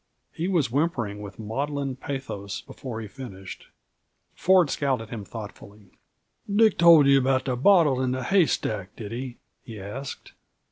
He was whimpering with maudlin pathos before he finished. Ford scowled at him thoughtfully. "Dick told you about the bottles in the haystack, did he?" he asked.